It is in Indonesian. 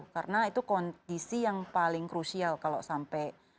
karena itu kondisi yang paling krusial kalau sampai